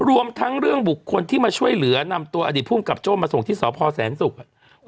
รวมทั้งเรื่องบุคคลที่มาช่วยเหลือนำตัวอดีตภูมิกับโจ้มาส่งที่สพแสนศุกร์